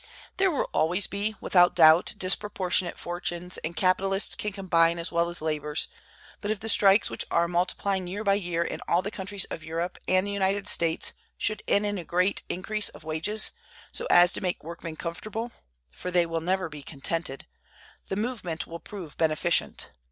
There will always be, without doubt, disproportionate fortunes, and capitalists can combine as well as laborers; but if the strikes which are multiplying year by year in all the countries of Europe and the United States should end in a great increase of wages, so as to make workmen comfortable (for they will never be contented), the movement will prove beneficent.